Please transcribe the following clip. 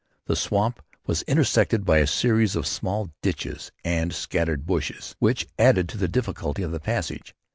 The swamp was intersected by a series of small ditches and scattered bushes, which added to the difficulty of the passage.